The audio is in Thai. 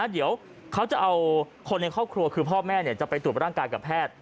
เดี๋ยวเขาจะเอาคนในครอบครัวคือพ่อแม่จะไปตรวจร่างกายกับแพทย์